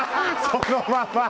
そのまま！